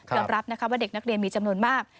รับนะคะว่าเด็กนักเรียนมีจำนวนมาก